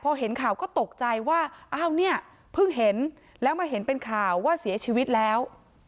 พอเห็นข่าวก็ตกใจว่าอ้าวเนี่ยเพิ่งเห็นแล้วมาเห็นเป็นข่าวว่าเสียชีวิตแล้ว